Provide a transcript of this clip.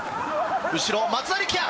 後ろ松田力也！